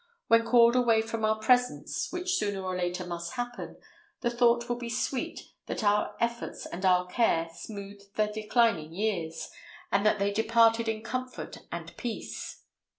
When called away from our presence, which sooner or later must happen, the thought will be sweet that our efforts and our care smoothed their declining years, so that they departed in comfort and peace.